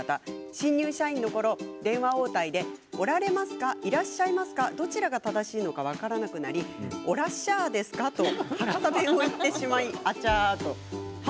新入社員のころ、電話応対でおられますか、いらっしゃいますか、どちらが正しいのか分からなくなりおらっしゃあですかと言ってしまいあちゃー。